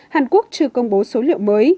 hàn quốc chưa công bố số liệu mới